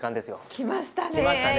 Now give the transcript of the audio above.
来ましたね